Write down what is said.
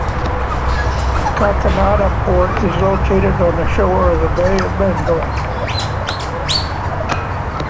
Kakinada Port is located on the shore of Bay of Bengal.